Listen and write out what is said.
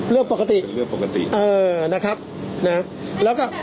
เรื่องปกติเป็นเรื่องปกติเออนะครับนะครับแล้วก็แบบนี้